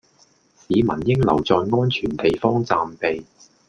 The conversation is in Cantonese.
市民應留在安全地方暫避